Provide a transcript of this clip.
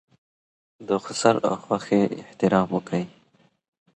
د خسر او خواښې احترام وکړئ.